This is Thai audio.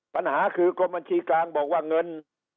ปัญหาคือกรมบัญชีกลางบอกว่าเงิน